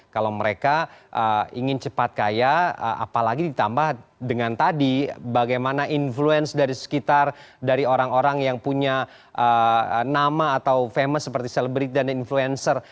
kalau mereka ingin cepat kaya apalagi ditambah dengan tadi bagaimana influence dari sekitar dari orang orang yang punya nama atau famis seperti celebrid dan influencer